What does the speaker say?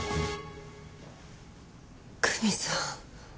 久美さん。